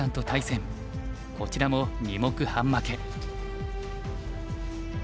こちらも２目半負け。